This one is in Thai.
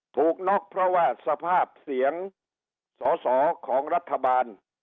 น็อกเพราะว่าสภาพเสียงสอสอของรัฐบาล